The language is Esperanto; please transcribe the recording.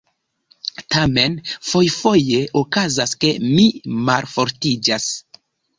Tamen fojfoje okazas, ke mi malfortiĝas..